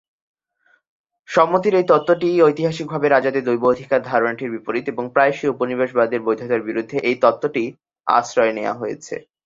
সম্মতির এই তত্ত্বটি ঐতিহাসিকভাবে রাজাদের দৈব অধিকার ধারণাটির বিপরীত এবং প্রায়শই উপনিবেশবাদের বৈধতার বিরুদ্ধে এই তত্ত্বটির আশ্রয় নেওয়া হয়েছে।